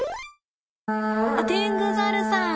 あっテングザルさん！